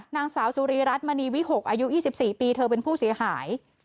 นางสาวสุรีรัฐมณีวิหกอายุ๒๔ปีเธอเป็นผู้เสียหาย